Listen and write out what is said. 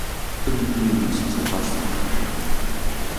Тэр миний үгийг сонсоод доош суулаа.